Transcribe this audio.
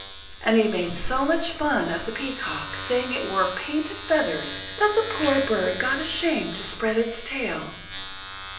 And he made so much fun of the peacock, saying it wore painted feathers, that the poor bird got ashamed to spread its tail.